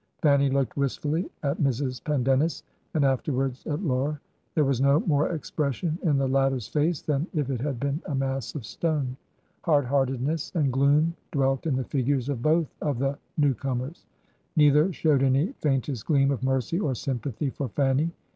... Fanny looked wistfully at Mrs. Pendennis and afterwards at Laura ; there was no more expression in the latter's face than if it had been a mass of stone. Hard hearted ness and gloom dwelt in the figures of both of the new comers ; neither showed any the faintest gleam of mercy or sympathy for Fanny.